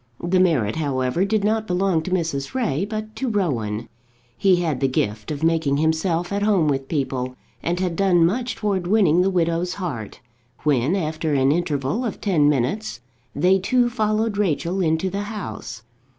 The merit, however, did not belong to Mrs. Ray, but to Rowan. He had the gift of making himself at home with people, and had done much towards winning the widow's heart, when, after an interval of ten minutes, they two followed Rachel into the house.